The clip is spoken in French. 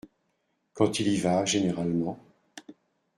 Quand il y va, généralement…